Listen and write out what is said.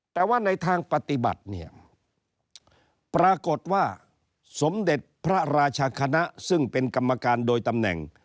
แต่ว่าในทางปฏิบัติเนี่ยปรากฏว่าสมเด็จพระราชคณะซึ่งเป็นกรรมการโดยตำแหน่ง